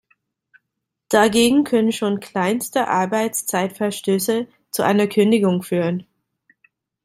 Dagegen können schon kleinste Arbeitszeitverstöße zu einer Kündigung führen.